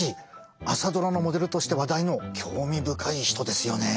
「朝ドラ」のモデルとして話題の興味深い人ですよね！